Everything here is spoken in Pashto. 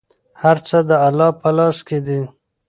هر څه د الله په لاس کې دي.